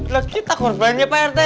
lagi takut banyak pak rt